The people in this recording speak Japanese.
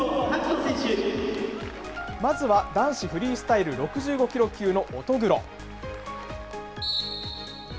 まずは男子フリースタイル６５キロ級の乙黒。